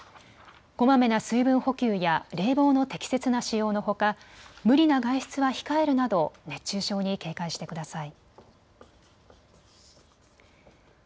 こまめな水分補給や冷房の適切な使用のほか無理な外出は控えるなど熱中症に警戒してください。